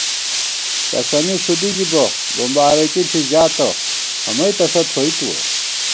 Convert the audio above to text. کسَنی ݭُدی ژِبہ بُمبارَکی ݪی ژاتہ امئ تسہ تھوئی تُوَہ